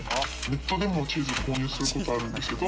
ネットでも購入することあるんですけど。